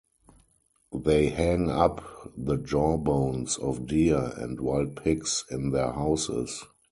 They hang up the jawbones of deer and wild pigs in their houses.